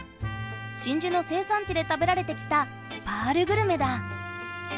真珠の生産地で食べられてきたパールグルメだ。